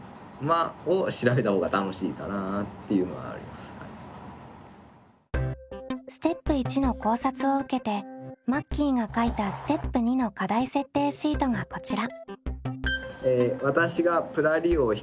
ではステップ①の考察を受けてマッキーが書いたステップ②の課題設定シートがこちら。